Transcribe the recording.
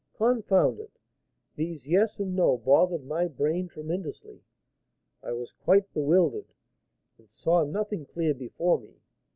Confound it! these yes and no bothered my brain tremendously. I was quite bewildered, and saw nothing clear before me.